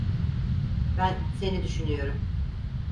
Ben seni düşünüyorum.